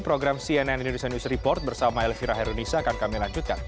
program cnn indonesia news report bersama elvira herunisa akan kami lanjutkan